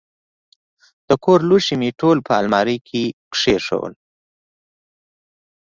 د کور لوښي مې ټول په المارۍ کې کښېنول.